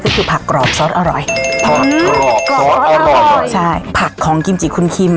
ก็คือผักกรอบซอสอร่อยผักกรอบซอสอร่อยใช่ผักของกิมจิคุณคิม